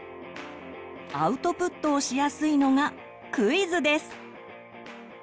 アウトプットをしやすいのがクイズです。